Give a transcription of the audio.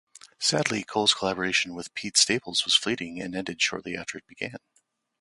Sadly, Cole's collaboration with Pete Staples was fleeting and ended shortly after it began.